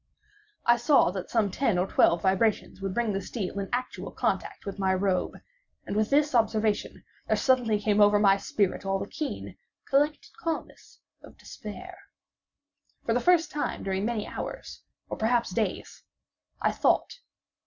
I saw that some ten or twelve vibrations would bring the steel in actual contact with my robe, and with this observation there suddenly came over my spirit all the keen, collected calmness of despair. For the first time during many hours—or perhaps days—I thought.